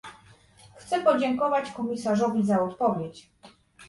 Chcę podziękować Komisarzowi za odpowiedź